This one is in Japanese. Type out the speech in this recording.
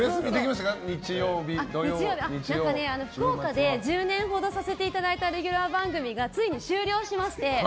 福岡で１０年ほどさせていただいたレギュラー番組がついに終了しまして。